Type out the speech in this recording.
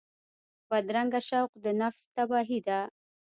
بدرنګه شوق د نفس تباهي ده